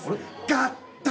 合体！